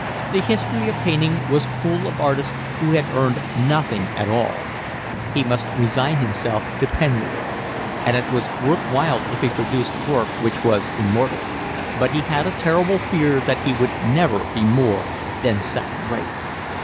The history of painting was full of artists who had earned nothing at all. He must resign himself to penury; and it was worth while if he produced work which was immortal; but he had a terrible fear that he would never be more than second rate.